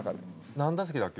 何打席だっけ。